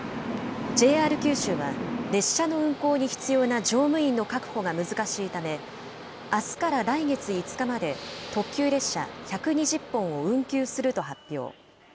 ＪＲ九州は、列車の運行に必要な乗務員の確保が難しいため、あすから来月５日まで、特急列車１２０本を運休すると発表。